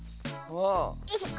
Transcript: よいしょ。